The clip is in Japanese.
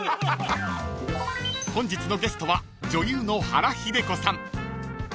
［本日のゲストは女優の原日出子さん］